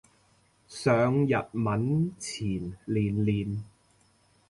上日文前練練